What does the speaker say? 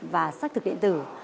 và sách thực hiện tử